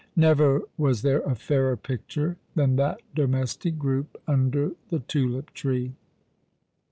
: Never was there a fairer picture than that domestic group under the tulip tree.